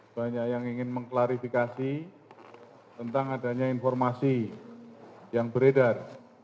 banyak yang ingin mengklarifikasi tentang adanya informasi yang beredar